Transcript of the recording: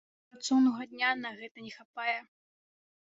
Але і працоўнага дня на гэта не хапае.